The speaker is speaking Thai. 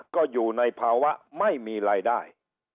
ก็อยู่ในภาวะไม่มีรายได้